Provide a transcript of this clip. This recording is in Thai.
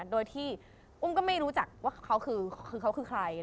โดยที่ผมก็ไม่รู้จักว่าเขาคือใคร